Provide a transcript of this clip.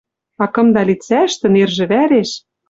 А кымда лицӓштӹ нержӹ вӓреш